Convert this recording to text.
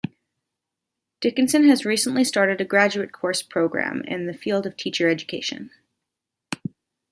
Dickinson has recently started a Graduate Course program in the field of teacher education.